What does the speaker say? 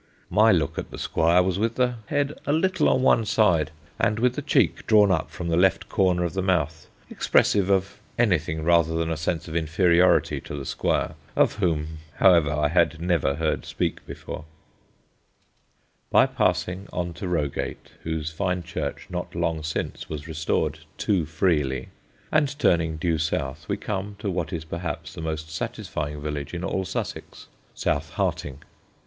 My look at the squire was with the head a little on one side, and with the cheek drawn up from the left corner of the mouth, expressive of anything rather than a sense of inferiority to the squire, of whom, however, I had never heard speak before." [Sidenote: HARTING'S RICHES] By passing on to Rogate, whose fine church not long since was restored too freely, and turning due south, we come to what is perhaps the most satisfying village in all Sussex South Harting.